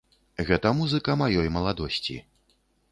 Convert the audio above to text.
Гэта музыка маёй маладосці.